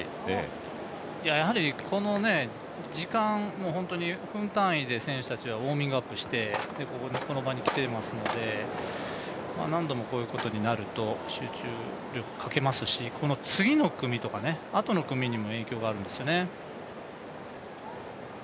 やはりこの時間、分単位で選手たちはウォーミングアップしてこの場に来ていますので、何度もこういうことになると集中力、欠けますしこの次の組とかあとの組にも影響があるんですよね。